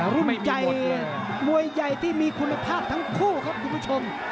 รุ่นใหญ่มวยใหญ่ที่มีคุณภาพทั้งคู่ครับคุณผู้ชม